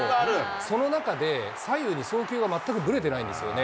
その中で、左右に送球が全くぶれてないんですよね。